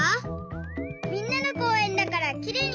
みんなのこうえんだからきれいにつかいたいね。